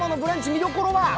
見どころは？